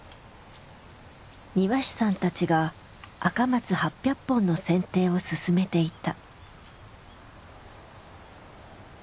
庭師さんたちが赤松８００本の剪定を進めていた。